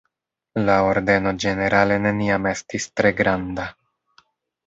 La ordeno ĝenerale neniam estis tre granda.